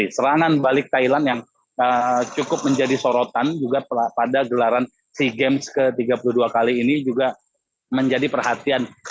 serangan balik thailand yang cukup menjadi sorotan juga pada gelaran sea games ke tiga puluh dua kali ini juga menjadi perhatian